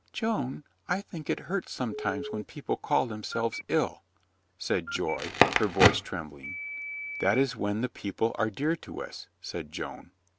"Joan, I think it hurts sometimes when people call themselves ill," said Joy, her voice trembling. "That is when the people are dear to us," said Joan.